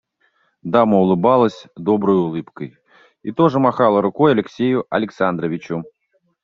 Дама улыбалась доброю улыбкой и тоже махала рукой Алексею Александровичу.